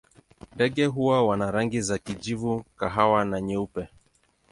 Ndege hawa wana rangi za kijivu, kahawa na nyeupe.